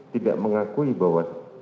tidak mengakui bahwa